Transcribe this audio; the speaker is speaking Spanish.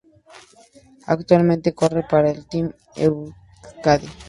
Actualmente corre para el Team Euskadi.